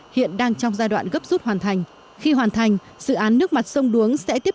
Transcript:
hiện đang trong giai đoạn gấp rút hoàn thành khi hoàn thành dự án nước mặt sông đuống sẽ tiếp